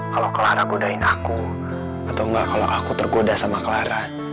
kalau clara godain aku atau enggak kalau aku tergoda sama clara